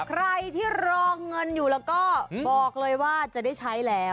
ใครที่รอเงินอยู่แล้วก็บอกเลยว่าจะได้ใช้แล้ว